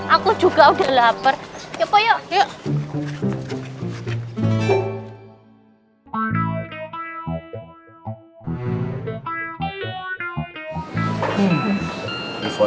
aku juga udah lapar